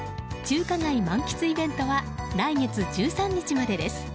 中華街満喫イベントは来月１３日までです。